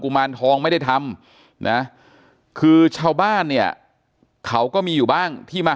มารทองไม่ได้ทำนะคือชาวบ้านเนี่ยเขาก็มีอยู่บ้างที่มา